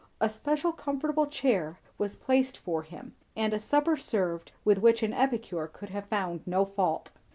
A special comfortable chair was placed for him, and a supper served with which an epicure could have found no fault.